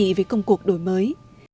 đối với các công cục đổi mới